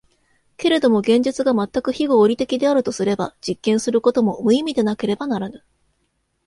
けれども現実が全く非合理的であるとすれば、実験することも無意味でなければならぬ。